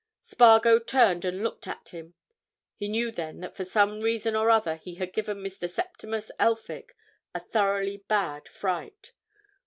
Spargo turned and looked at him. He knew then that for some reason or other he had given Mr. Septimus Elphick a thoroughly bad fright.